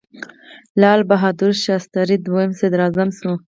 لال بهادر شاستري دویم صدراعظم شو.